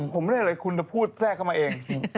ผมไม่ได้อะไรคุณพูดแทรกเข้ามาเอง